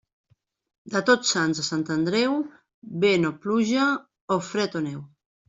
De Tots Sants a Sant Andreu, vent o pluja o fred o neu.